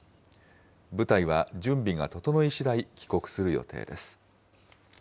部隊は準備が整い次第、帰国する予定です。